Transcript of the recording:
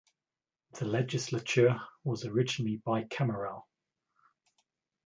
The legislature was originally bicameral.